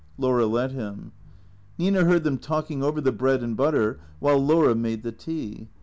Laura let him. Nina heard them talking over the bread and butter while Laura made the tea.